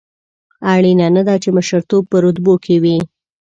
اړینه نه ده چې مشرتوب په رتبو کې وي.